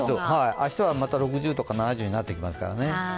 明日はまた６０とか７０になってきますからね。